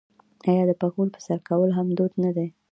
آیا د پکول په سر کول هم دود نه دی؟